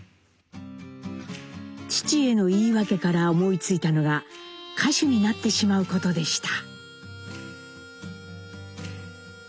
父への言い訳から思いついたのが歌手になってしまうことでした。